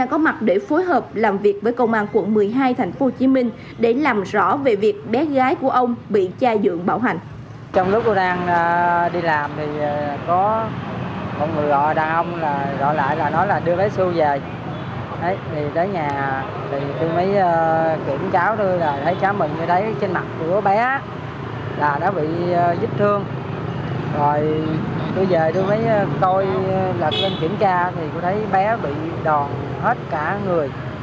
khi lật lên kiểm tra thì tôi thấy bé bị đòn hết cả người